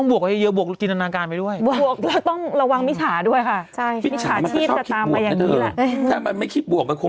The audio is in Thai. มโนคิดเอาเองได้ตอนนี้มันกลายเป็นแบบนี้อืม